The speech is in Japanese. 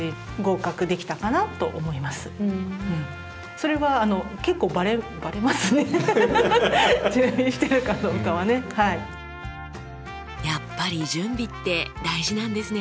それはやっぱり準備って大事なんですね。